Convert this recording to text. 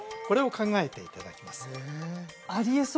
これを考えていただきます